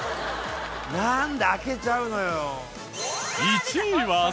なんで開けちゃうのよ？